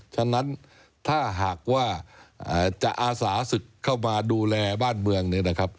ฉะนั้นถ้าหากว่าจะอาสาสึกเข้ามาดูแลบ้านเมือง